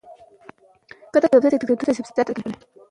د شېدو څښل بدن ته ډيره ګټه رسوي.